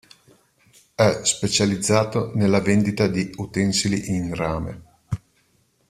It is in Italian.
È specializzato nella vendita di utensili in rame.